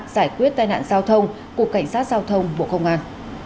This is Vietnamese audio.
giải quyết tai nạn giao thông của cảnh sát giao thông bộ công an